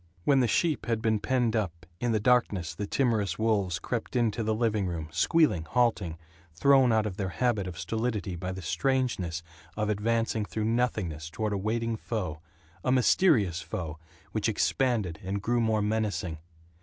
When the sheep had been penned up, in the darkness the timorous wolves crept into the living room, squealing, halting, thrown out of their habit of stolidity by the strangeness of advancing through nothingness toward a waiting foe, a mysterious foe which expanded and grew more menacing.